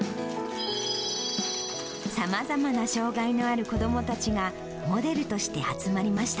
さまざまな障がいのある子どもたちが、モデルとして集まりました。